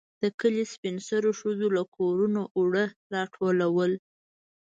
د کلي سپين سرو ښځو له کورونو اوړه راټولول.